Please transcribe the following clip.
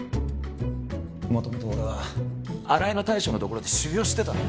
元々俺は新井の大将のところで修業してたんだ